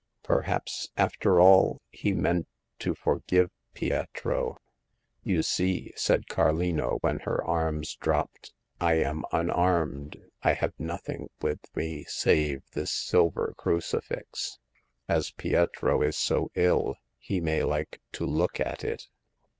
Perhaps, after all, he meant to forgive Pietro. You see,*' said Carlino, when her arms dropped, I am unarmed ; I have nothing with me save this silver crucifix. As Pietro is so ill he may like to look at it."